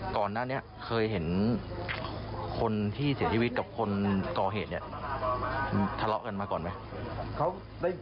ก่อนหน้านี้เคยเห็นคนที่เสียชีวิตกับคนก่อเหตุเนี่ยทะเลาะกันมาก่อนไหม